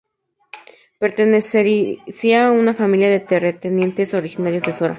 Pertenecía a una familia de terratenientes originarios de Sora.